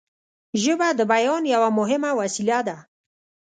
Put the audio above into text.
ژبه د بیان یوه مهمه وسیله ده